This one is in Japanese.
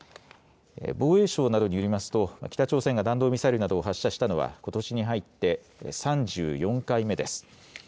防衛省などによりますと北朝鮮が弾道ミサイルなどを発射したのはことしに入って３４回目です。